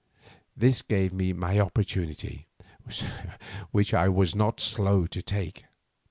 This gave me my opportunity, which I was not slow to take.